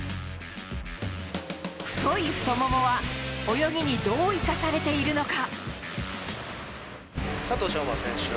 太い太ももは泳ぎにどう生かされているのか。